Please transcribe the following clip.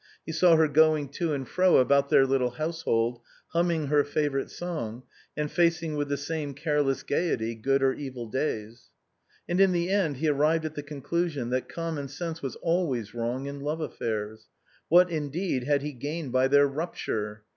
He saw her going to and fro about their little household, hum ming her favorite song, and facing with the same careless gaiety good or evil days. And in the end he arrived at the conclusion that com mon sense was always wrong in love affairs. What, in deed, had he gained by their rupture?